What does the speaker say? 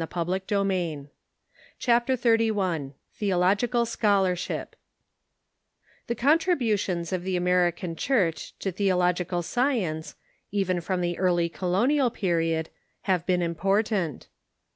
632 THE CHUKCH IN TUE UNITED STATES CHAPTER XXXI THEOLOGICAL SCHOLARSHIP The contributions of the American Churcli to theological science, even from the early Colonial j^eriod, have been im portant.